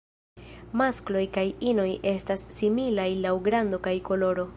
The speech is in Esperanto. Maskloj kaj inoj estas similaj laŭ grando kaj koloro.